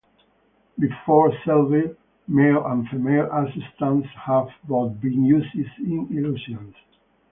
Before Selbit, male and female assistants had both been used in illusions.